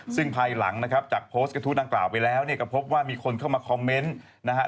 ซึ่งภายหลังนะครับจากโพสต์กระทู้ดังกล่าวไปแล้วเนี่ยก็พบว่ามีคนเข้ามาคอมเมนต์นะฮะ